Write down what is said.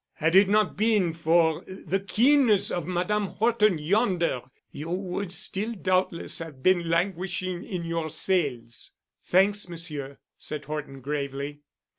Had it not been for the keenness of Madame Horton yonder, you would still doubtless have been languishing in your cells." "Thanks, Monsieur," said Horton gravely.